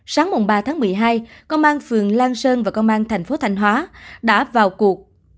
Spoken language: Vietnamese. sáng ba tháng một mươi hai công an phường lan sơn và công an thành phố thanh hóa đã vào cuộc